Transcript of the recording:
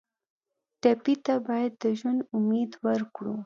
ټپي ته باید د ژوند امید ورکړو.